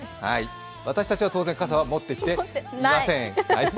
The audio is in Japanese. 私たちは当然、傘は持ってきていません。